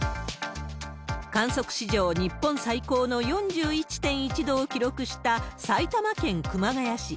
観測史上日本最高の４１．１度を記録した、埼玉県熊谷市。